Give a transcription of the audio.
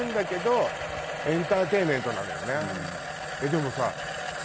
でもさ。